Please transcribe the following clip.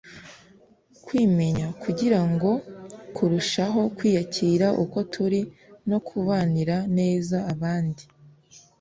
kwimenya kugira ngo turusheho kwiyakira uko turi no kubanira neza abandi.